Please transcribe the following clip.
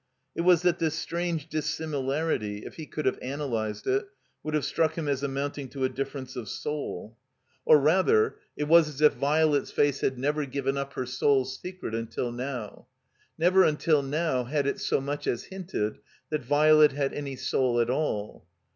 It was that this strange dissimilarity, if he could have analyzed it, would have struck him as amounting to a difference of soul. Or rather, it 377 THE COMBINED MAZE was as if Violet's face had never given up her soul's secret until now; never until now had it so much as hinted that Violet had any soul at all.